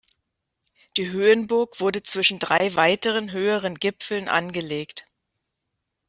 Die Höhenburg wurde zwischen drei weiteren höheren Gipfeln angelegt.